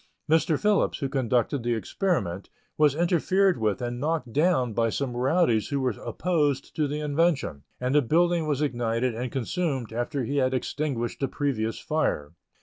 Mr. Phillips, who conducted the experiment, was interfered with and knocked down by some rowdies who were opposed to the invention, and the building was ignited and consumed after he had extinguished the previous fire.